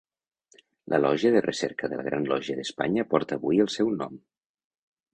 La lògia de recerca de la Gran Lògia d'Espanya porta avui el seu nom.